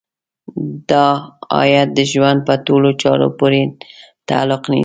دا ايت د ژوند په ټولو چارو پورې تعلق نيسي.